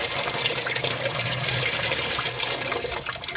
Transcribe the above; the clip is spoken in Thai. พร้อมทุกสิทธิ์